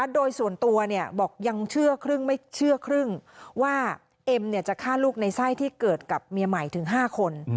โดยส่วนตัวบอกยังเชื่อครึ่งไม่เชื่อครึ่งว่าเอ็มจะฆ่าลูกในไส้ที่เกิดกับเมียใหม่ถึง๕คน